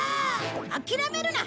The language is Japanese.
諦めるな！